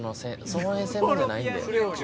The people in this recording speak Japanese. その専門じゃないんで。